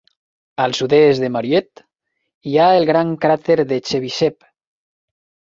Al sud-est de Mariotte hi ha el gran cràter de Chebyshev.